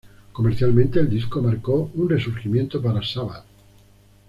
Comercialmente, el disco marcó un resurgimiento para Sabbath.